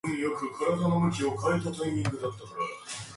The United States began peace negotiations from a position of weakness.